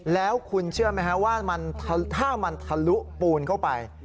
แล้วคุณเชื่อไหมฮะว่าถ้ามันทะลุปูนเข้าไป